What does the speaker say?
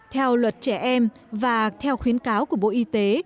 theo luật trẻ em và theo khuyến cáo của bộ y tế